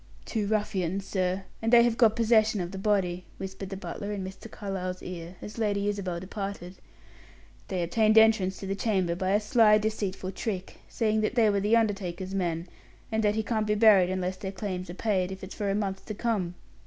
"Two ruffians, sir, and they have got possession of the body," whispered the butler in Mr. Carlyle's ear, as Lady Isabel departed. "They obtained entrance to the chamber by a sly, deceitful trick, saying they were the undertaker's men, and that he can't be buried unless their claims are paid, if it's for a month to come.